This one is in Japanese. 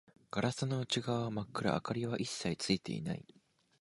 ガラスの内側は真っ暗、明かりは一切ついていない